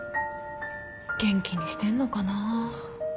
元気にしてんのかな。